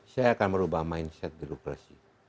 saya akan merubah mindset di rupesi